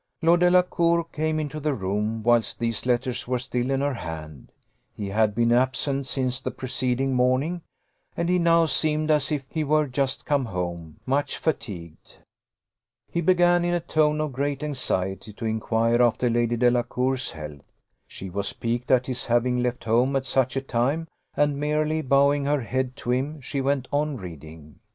Lord Delacour came into the room whilst these letters were still in her hand. He had been absent since the preceding morning, and he now seemed as if he were just come home, much fatigued. He began in a tone of great anxiety to inquire after Lady Delacour's health. She was piqued at his having left home at such a time, and, merely bowing her head to him, she went on reading.